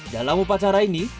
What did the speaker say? dalam upacara ini